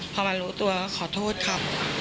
พอมารู้ตัวขอโทษค่ะ